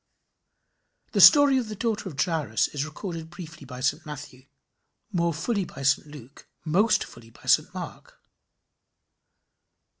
The story of the daughter of Jairus is recorded briefly by St Matthew, more fully by St Luke, most fully by St Mark.